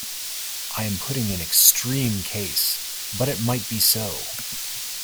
I am putting an extreme case, but it might be so.